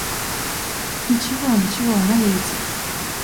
— Ничего, ничего, налейте.